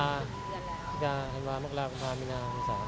พฤศกาฮันวามกราคมีนามีศาล